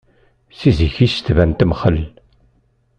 Si zik-is tban temxel.